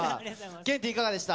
ケンティーいかがでした？